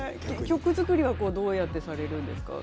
曲作りはどうやってされるんですか？